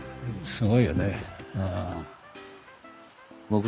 すごいよね。